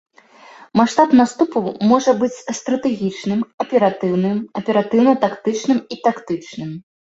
Маштаб наступу можа быць стратэгічным, аператыўным, аператыўна-тактычным і тактычным.